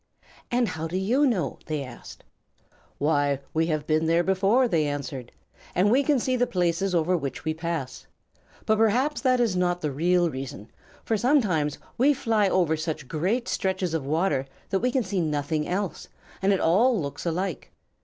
"And how do you know?" they asked. "Why, we have been there before," they answered; "and we can see the places over which we pass. But perhaps that is not the real reason, for sometimes we fly over such great stretches of water that we can see nothing else and it all looks alike.